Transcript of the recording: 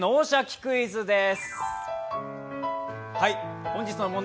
クイズ」です。